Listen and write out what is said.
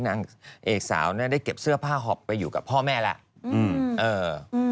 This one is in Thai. นางเอกสาวเนี่ยได้เก็บเสื้อผ้าหอบไปอยู่กับพ่อแม่แล้วอืมเออ